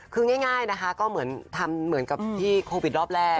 คือง่ายนะคะก็เหมือนทำเหมือนกับที่โควิดรอบแรก